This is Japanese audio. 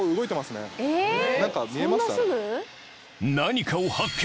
何かを発見！